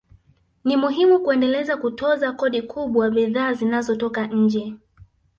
Ni muhimu kuendelea kutoza kodi kubwa bidhaa zinazotoka nje